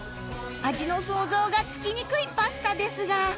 味の想像がつきにくいパスタですが